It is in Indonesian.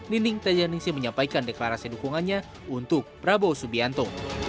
ninding tajanisi menyampaikan deklarasi dukungannya untuk prabowo subianto